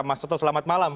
mas joto selamat malam